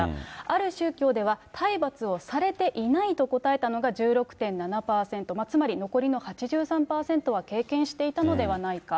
ある宗教では、体罰をされていないと答えたのが１６．７％、つまり残りの８３％は経験していたのではないか。